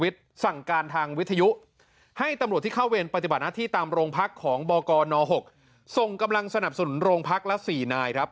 จะส่งกำลังสนับสนุนโรงพักรัฐ๔นาย